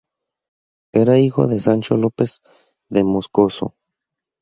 Era hijo de Sancho López de Moscoso.